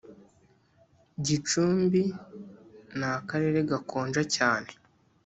gicumbi ni akarere gakonja cyane